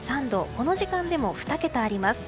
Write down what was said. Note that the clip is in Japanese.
この時間でも２桁あります。